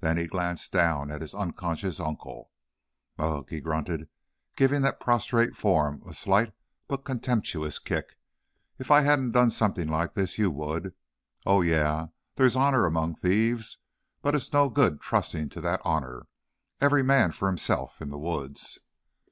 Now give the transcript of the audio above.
Then he glanced down at his unconscious uncle. "Ugh!" he grunted, giving that prostrate form a slight but contemptuous kick. "If I hadn't done something like this you would. Oh, ye eh, there's honor among thieves, but it's no good trusting to that honor. Every man for himself, in the woods!"